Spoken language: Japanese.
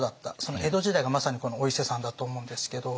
江戸時代がまさにこのお伊勢さんだと思うんですけど。